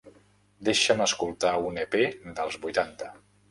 Deixa'm escoltar un EP dels vuitanta.